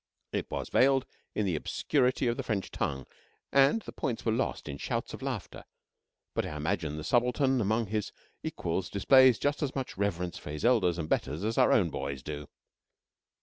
It was veiled in the obscurity of the French tongue, and the points were lost in shouts of laughter but I imagine the subaltern among his equals displays just as much reverence for his elders and betters as our own boys do.